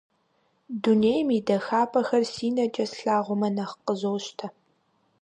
Дунейм и дахапӀэхэр си нэкӀэ слъагъумэ, нэхъ къызощтэ.